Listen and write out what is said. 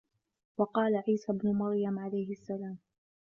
وَقَالَ عِيسَى ابْنُ مَرْيَمَ عَلَيْهِ السَّلَامُ